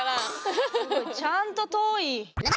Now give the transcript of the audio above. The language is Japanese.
ちゃんと遠い！